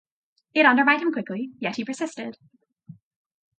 It undermined him quickly; yet he persisted.